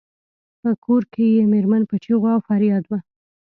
په کور کې یې میرمن په چیغو او فریاد وه.